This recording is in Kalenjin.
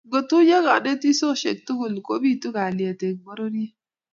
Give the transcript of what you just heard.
ngo tuyo kanisosheck tugul ko pitu kalyet eng pororiet